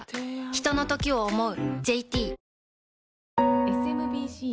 ひとのときを、想う。